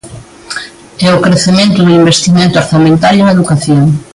E o crecemento do investimento orzamentario en educación.